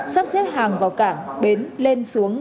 sắp xếp hàng vào cảng bến lên xuống